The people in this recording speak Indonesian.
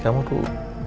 kamu bisa tidur quick